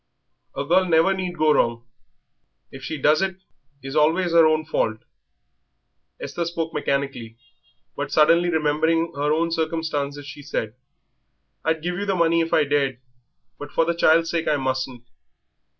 "A girl never need go wrong; if she does it is always 'er own fault." Esther spoke mechanically, but suddenly remembering her own circumstances she said: "I'd give you the money if I dared, but for the child's sake I mustn't."